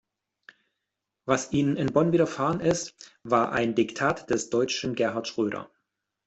Was Ihnen in Bonn widerfahren ist, war ein Diktat des deutschen Gerhard Schröder!